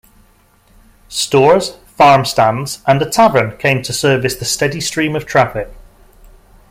Stores, farm stands, and a tavern came to service the steady stream of traffic.